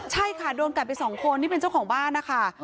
ใช่ค่ะโดนกัดไปสองคนที่เป็นเจ้าของบ้านนะคะ